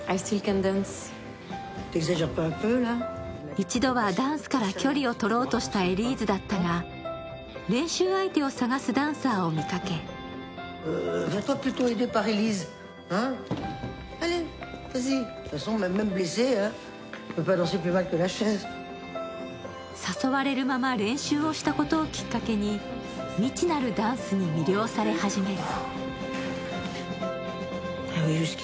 一度はダンスから距離をとろうとしたエリーズだったが、練習相手を探すダンサーを見かけ誘われるまま練習をしたことをきっかけに未知なるダンスに魅了され始める。